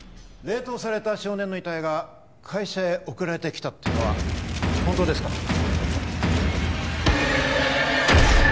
冷凍された少年の遺体が会社へ送られて来たっていうのは本当ですか？